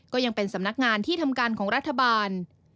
ก็ยังเป็นสำนักงานที่ทำการของรัฐบาล